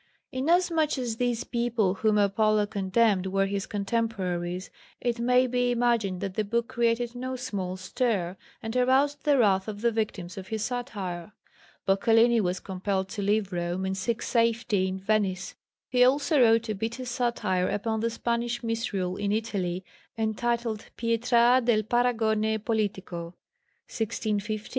Inasmuch as these people whom Apollo condemned were his contemporaries, it may be imagined that the book created no small stir, and aroused the wrath of the victims of his satire. Boccalini was compelled to leave Rome and seek safety in Venice. He also wrote a bitter satire upon the Spanish misrule in Italy, entitled Pietra del paragone politico (1615).